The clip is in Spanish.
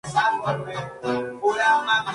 Que se sumarían a los museos ya existentes.